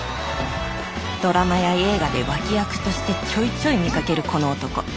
ドラマや映画で脇役としてちょいちょい見かけるこの男。